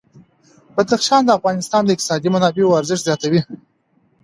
بدخشان د افغانستان د اقتصادي منابعو ارزښت زیاتوي.